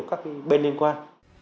các bên liên quan